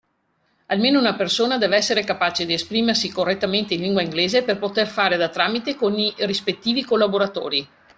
Almeno una persona deve essere capace di esprimersi correttamente in lingua inglese per poter fare da tramite con i rispettivi collaboratori.